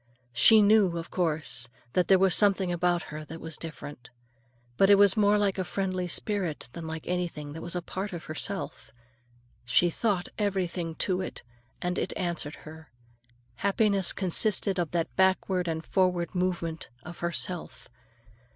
She knew, of course, that there was something about her that was different. But it was more like a friendly spirit than like anything that was a part of herself. She thought everything to it, and it answered her; happiness consisted of that backward and forward movement of herself.